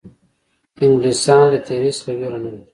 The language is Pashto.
انګلیسیان له تېري څخه وېره نه لري.